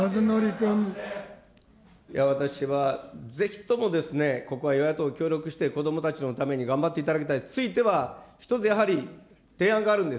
私はぜひともですね、ここは与野党協力して、こどもたちのために頑張っていただきたい、ついては、一つやはり、提案があるんです。